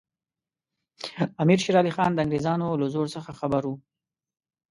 امیر شېر علي خان د انګریزانو له زور څخه خبر وو.